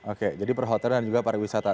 oke jadi perhoteran juga para wisata